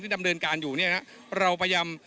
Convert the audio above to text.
ดำเนินการอยู่เนี่ยนะเราพยายาม